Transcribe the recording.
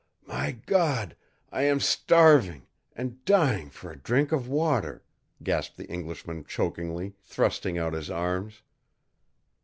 "My God, I am starving and dying for a drink of water!" gasped the Englishman chokingly, thrusting out his arms.